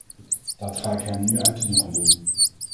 Dat ga ik hem nu uit de doeken doen.